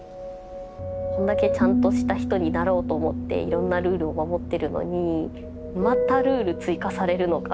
こんだけちゃんとした人になろうと思っていろんなルールを守ってるのにまたルール追加されるのか！